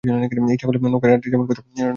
ইচ্ছা করলে নৌকায় রাত্রিযাপন করতে পারবেন।